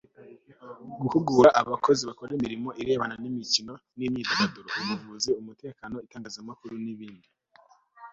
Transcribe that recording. guhugura abakozi bakora imirimo irebana n'imikino n'imyidagaduro (ubuvuzi, umutekano, itangazamakuru n'ibindi